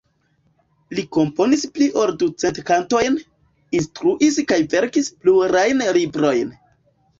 Li komponis pli ol ducent kantojn, instruis kaj verkis plurajn librojn.